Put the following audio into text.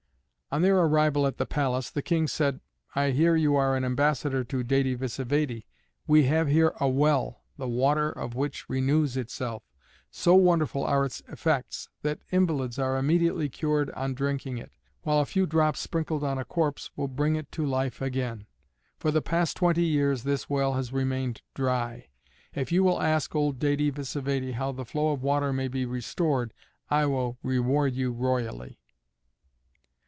On their arrival at the palace, the King said, "I hear you are an ambassador to Dède Vsévède. We have here a well, the water of which renews itself. So wonderful are its effects that invalids are immediately cured on drinking it, while a few drops sprinkled on a corpse will bring it to life again. For the past twenty years this well has remained dry: if you will ask old Dède Vsévède how the flow of water may be restored I will reward you royally."